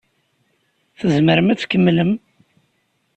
Tzemrem ad tkemmlem?